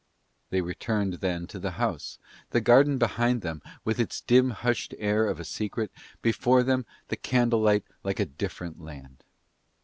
They returned then to the house, the garden behind them with its dim hushed air of a secret, before them the candlelight like a different land.